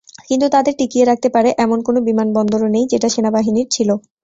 কিন্তু তাদের টিকিয়ে রাখতে পারে, এমন কোনো বিমানবন্দরও নেই, যেটা সেনাবাহিনীর ছিল।